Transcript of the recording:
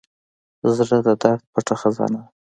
زړه د درد پټه خزانه ده.